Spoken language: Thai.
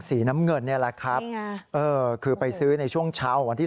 สีน้ำเงินนี่แหละครับคือไปซื้อในช่วงเช้าของวันที่